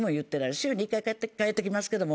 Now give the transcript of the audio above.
週２回帰ってきますけども。